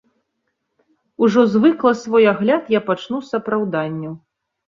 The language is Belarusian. Ужо звыкла свой агляд я пачну з апраўданняў.